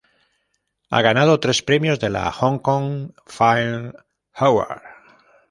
Ha ganado tres premios de la Hong Kong Film Award.